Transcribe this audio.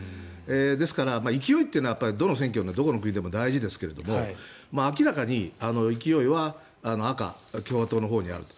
ですから、勢いというのはどの選挙でもどの国でも大事ですけど明らかに勢いは赤、共和党のほうにあると。